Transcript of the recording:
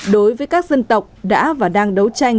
đối với các dân tộc đã và đang đấu tranh